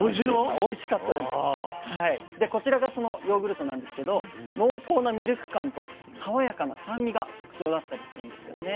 こちらがそのヨーグルトなんですけど濃厚なミルク感とさわやかな酸味が特徴だったりするんですよね。